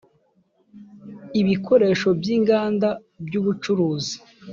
ibikoresho by inganda by ubucuruzi